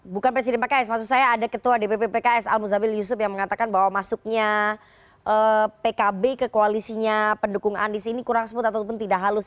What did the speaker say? bukan presiden pks maksud saya ada ketua dpp pks al muzabil yusuf yang mengatakan bahwa masuknya pkb ke koalisinya pendukung anies ini kurang smooth ataupun tidak halus